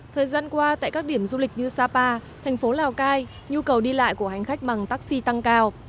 thời gian qua tại các điểm du lịch như sapa thành phố lào cai nhu cầu đi lại của hành khách bằng taxi tăng cao